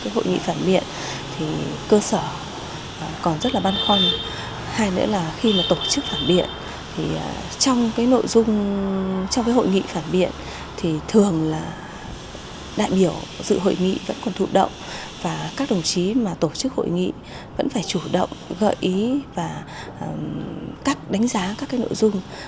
hội nghị vẫn phải chủ động gợi ý và cách đánh giá các nội dung